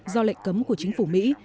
do lệnh cấm của chính phủ mỹ